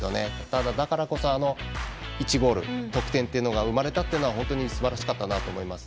ただ、だからこそ１ゴール、得点が生まれたのは本当にすばらしかったと思います。